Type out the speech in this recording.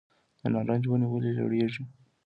د نارنج ونې ولې ژیړیږي؟